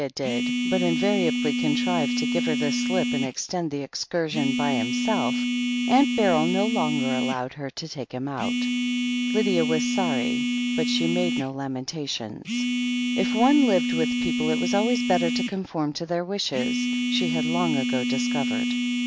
THE HEEL OF ACHILLES 17 did, but invariably contrived to give her the slip and extended the excursion by himself, Aunt Beryl no longer allowed her to take him out. Lydia was sorry, but she made no lamentations. If one lived with people, it was always better to conform to their wishes, she had long ago discovered.